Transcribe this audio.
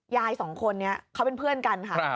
ยายสองคนนี้เขาเป็นเพื่อนกันค่ะ